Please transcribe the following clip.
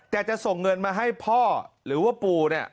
แต่จะส่งเงินมาให้พ่อหรือว่าปูเนี่ย